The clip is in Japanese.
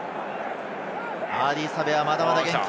アーディー・サヴェア、まだまだ元気。